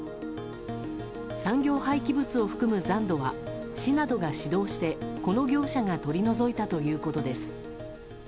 産業廃棄物を含む残土は市などが指導して、この業者が取り除いたということです。